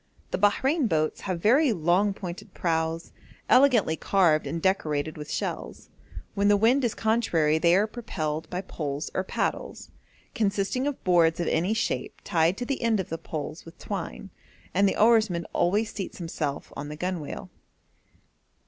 The Bahrein boats have very long pointed prows, elegantly carved and decorated with shells; when the wind is contrary they are propelled by poles or paddles, consisting of boards of any shape tied to the end of the poles with twine, and the oarsman always seats himself on the gunwale.